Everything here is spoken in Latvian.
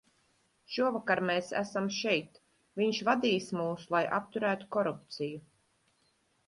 Šovakar mēs esam šeit, viņš vadīs mūs, lai apturētu korupciju.